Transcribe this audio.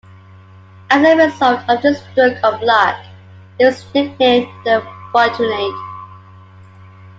As a result of this stroke of luck, he was nicknamed "the Fortunate".